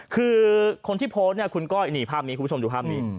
คือคนที่โพสนี่คุณผู้ชมดูภาพนี้